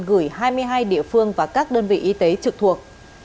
gửi hai mươi hai địa phương và các đơn vị y tế trực thuộc